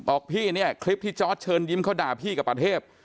พี่เนี่ยคลิปที่จอร์ดเชิญยิ้มเขาด่าพี่กับประเทศ